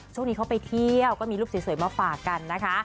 ช่วงนี้เขาไปเที่ยวก็มีรูปสวยมาฝากกันนะคะ